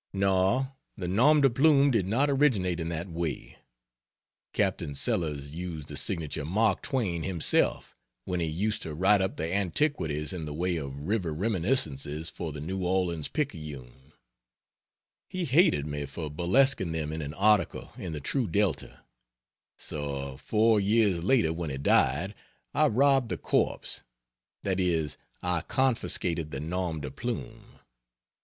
No; the nom de plume did not originate in that way. Capt. Sellers used the signature, "Mark Twain," himself, when he used to write up the antiquities in the way of river reminiscences for the New Orleans Picayune. He hated me for burlesquing them in an article in the True Delta; so four years later when he died, I robbed the corpse that is I confiscated the nom de plume.